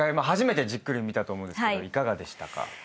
初めてじっくり見たと思うんですけどいかがでしたか？